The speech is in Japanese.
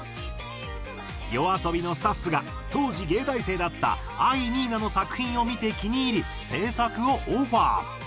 ＹＯＡＳＯＢＩのスタッフが当時藝大生だった藍にいなの作品を見て気に入り制作をオファー。